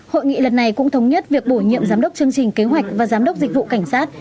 hội nghị lần này cũng thống nhất việc bổ nhiệm giám đốc chương trình kế hoạch và giám đốc dịch vụ cảnh sát